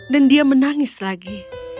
dan dia menangis lagi